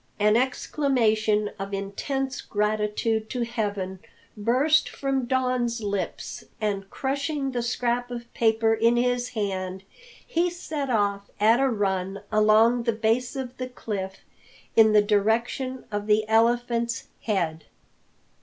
An exclamation of intense gratitude to Heaven burst from Don's lips, and crushing the scrap of paper in his hand, he set off at a run along the base of the cliff, in the direction of the Elephant's head.